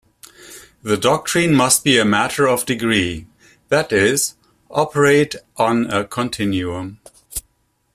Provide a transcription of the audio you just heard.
The doctrine must be a matter of degree-that is, operate on a continuum.